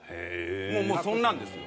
もうそんなんですよ。